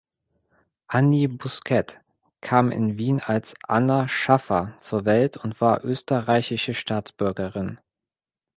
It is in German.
Annie Bousquet kam in Wien als "Anna Schaffer" zur Welt und war österreichische Staatsbürgerin.